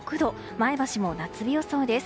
前橋も夏日予想です。